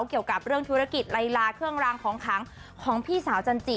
เกี่ยวกับเรื่องธุรกิจลายลาเครื่องรางของขังของพี่สาวจันจิ